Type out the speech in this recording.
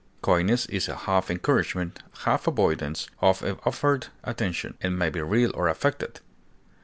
Coyness is a half encouragement, half avoidance of offered attention, and may be real or affected.